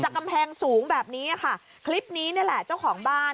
กำแพงสูงแบบนี้ค่ะคลิปนี้นี่แหละเจ้าของบ้าน